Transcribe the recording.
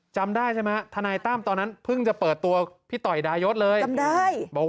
จำได้ใช่ไหมทนายตั้มตอนนั้นเพิ่งจะเปิดตัวพี่ต่อยดายศเลยจำได้บอก